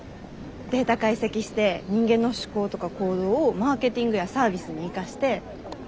データ解析して人間の思考とか行動をマーケティングやサービスに生かして。